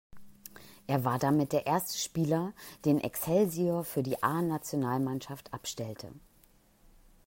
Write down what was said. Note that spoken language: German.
Er war damit der erste Spieler, den Excelsior für die A-Nationalmannschaft abstellte.